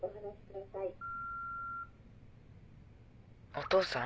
☎お父さん。